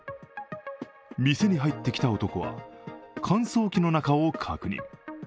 店に入ってきた男は乾燥機の中を確認。